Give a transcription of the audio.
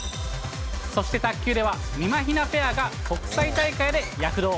そして卓球では、みまひなペアが国際大会で躍動。